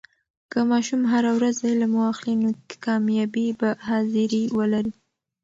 که ماشوم هر ورځ علم واخلي، نو کامیابي به حاضري ولري.